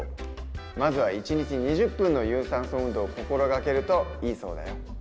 まずは１日２０分の有酸素運動を心がけるといいそうだよ。